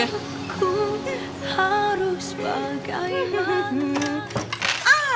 aku harus bagaimana